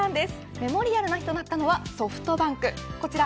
メモリアルの日となったのはソフトバンクこちら